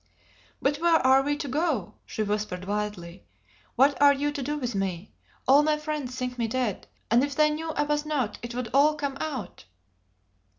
"But where are we to go?" she whispered wildly. "What are you to do with me? All my friends think me dead, and if they knew I was not it would all come out."